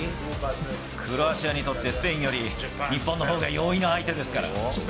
クロアチアにとってスペインより、日本のほうが容易な相手ですから。